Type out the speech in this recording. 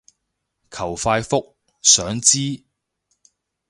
求快覆，想知